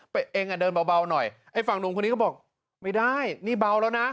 เองอ่ะเดินเบาหน่อยไอ้ฝั่งหนุ่มคนนี้ก็บอกไม่ได้นี่เบาแล้วนะ